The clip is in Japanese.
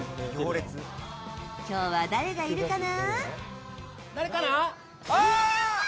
今日は誰がいるかな？